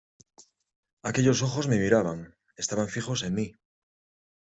¡ aquellos ojos me miraban, estaban fijos en mí!...